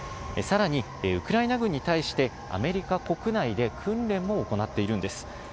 さらに、ウクライナ軍に対して、アメリカ国内で訓練も行っているんです。